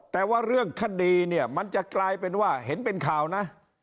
แต่ว่าเรื่องคดีเนี่ยมันจะกลายเป็นว่าเห็นเป็นข่าวนะ